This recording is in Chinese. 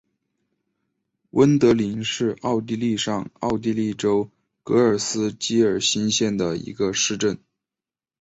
温德灵是奥地利上奥地利州格里斯基尔兴县的一个市镇。